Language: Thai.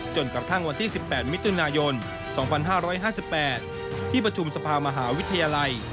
จนกระทั่งวันที่๑๘มิถุนายน๒๕๕๘ที่ประชุมสภามหาวิทยาลัย